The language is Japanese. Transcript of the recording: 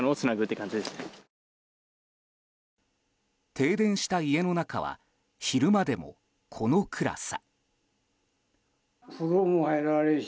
停電した家の中は昼間でも、この暗さ。